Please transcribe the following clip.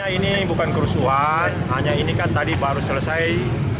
ini bukan kerusuhan hanya ini kan tadi baru selesai